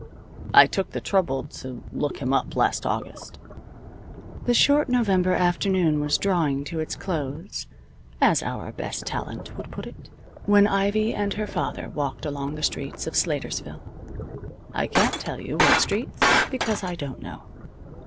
I took the trouble to look him up last August." The short November afternoon was drawing to its close (as our best talent would put it) when Ivy and her father walked along the streets of Slatersville. (I can't tell you what streets, because I don't know.)